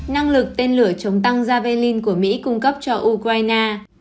năng lực tên lửa chống tăng javelin của mỹ cung cấp cho ukraine